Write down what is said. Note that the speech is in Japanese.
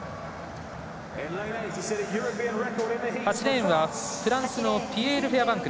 ８レーン、フランスのピエール・フェアバンク。